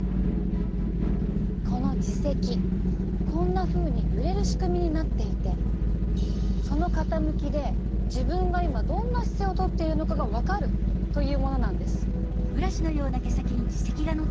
この耳石こんなふうに揺れる仕組みになっていてその傾きで自分が今どんな姿勢をとっているのかが分かるというものなんです。